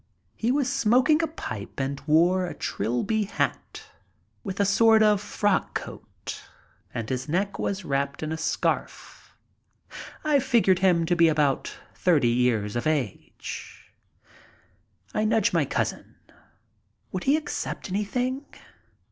He was smoking a pipe and wore a Trilby hat, with a sort of frock coat, and his neck was wrapped in a scarf. I figured him to be about thirty years of age. I nudged my cousin. Would he accept anything?